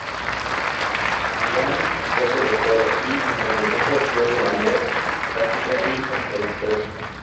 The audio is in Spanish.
Marianne está devastada y, en consecuencia, actúa de manera errática y contradictoria.